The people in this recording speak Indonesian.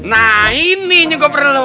nah ininya gua perlu